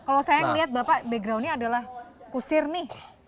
kalau saya ngelihat bapak backgroundnya adalah kusir nih